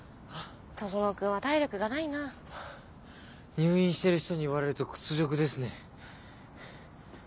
入院してる人に言われると屈辱ですね。